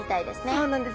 そうなんです。